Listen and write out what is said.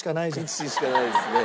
１しかないですね。